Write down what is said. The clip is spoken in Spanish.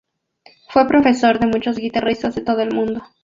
Fue profesor de muchos guitarristas de todo el mundo.